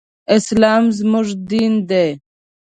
اسلام زموږ دين دی